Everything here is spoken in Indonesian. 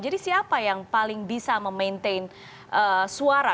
jadi siapa yang paling bisa memaintain suara